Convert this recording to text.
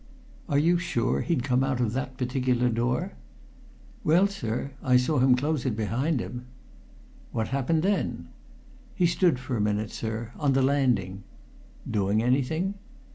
"Are you sure he'd come out of that particular door?" "Well, sir, I saw him close it behind him." "What happened then?" "He stood for a minute, sir, on the landing." "Doing anything?"